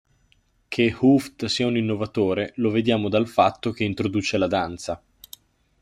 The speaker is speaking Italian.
Che Hooft sia un innovatore lo vediamo dal fatto che introduce la danza.